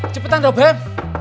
cepetan dong beb